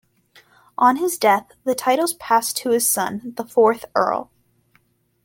On his death the titles passed to his son, the fourth Earl.